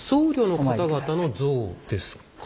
僧侶の方々の像ですか？